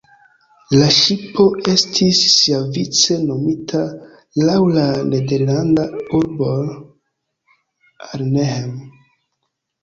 La ŝipo estis siavice nomita laŭ la nederlanda urbo Arnhem.